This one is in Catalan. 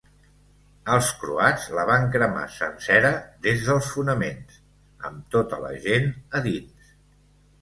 Els croats la van cremar sencera des dels fonaments, amb tota la gent a dins.